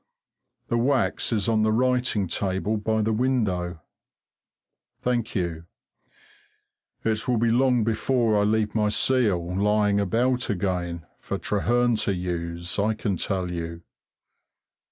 The wax is on the writing table by the window. Thank you. It will be long before I leave my seal lying about again, for Trehearn to use, I can tell you.